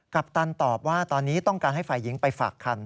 ปตันตอบว่าตอนนี้ต้องการให้ฝ่ายหญิงไปฝากคัน